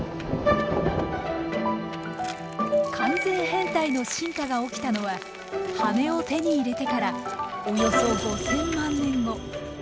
完全変態の進化が起きたのは羽を手に入れてからおよそ５，０００万年後。